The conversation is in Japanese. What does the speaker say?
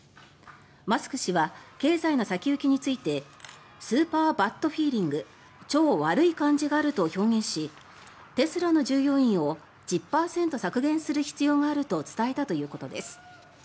マスク氏は経済の先行きについてスーパー・バッド・フィーリング超悪い感じがあると表現しテスラの従業員を１０％削減する必要があると伝えたということです。